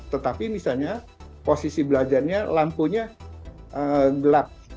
tetapi misalnya posisi belajarnya lampunya gelap